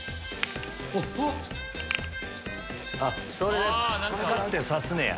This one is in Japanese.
あっそれでガッてさすねや。